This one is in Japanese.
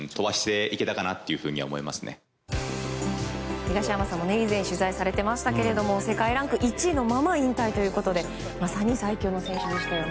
東山さんも以前取材されてましたけど世界ランク１位のまま引退ということでまさに最強の選手でしたよね。